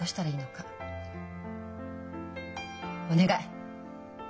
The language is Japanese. お願い。